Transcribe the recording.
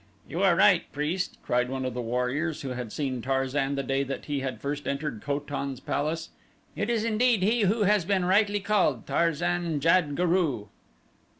"You are right, priest," cried one of the warriors who had seen Tarzan the day that he had first entered Ko tan's palace. "It is indeed he who has been rightly called Tarzan jad guru."